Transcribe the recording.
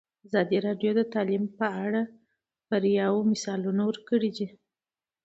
ازادي راډیو د تعلیم په اړه د بریاوو مثالونه ورکړي.